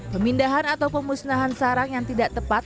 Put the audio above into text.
pemindahan atau pemusnahan sarang yang tidak tepat